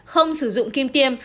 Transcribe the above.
không sử dụng kim tiêm